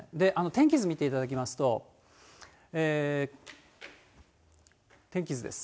天気図見ていただきますと、天気図です。